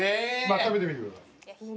まぁ食べてみてください。